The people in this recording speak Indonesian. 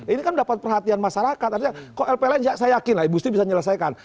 ini kan dapat perhatian masyarakat artinya kok lpln saya yakin lah ibu sri bisa menyelesaikan